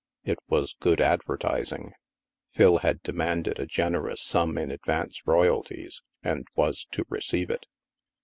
It was good advertising. Phil had demanded a generous sum in advance royalties, and was to receive it.